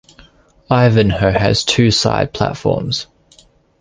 Ivanhoe has two side platforms.